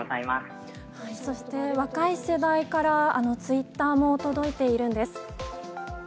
そして、若い世代からツイッターも届いているんです。